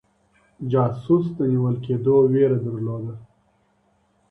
جاسوس د نيول کيدو ويره درلوده.